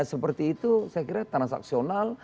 seperti itu saya kira transaksional